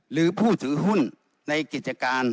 หรือผู้ถือหุ้นในกิจการ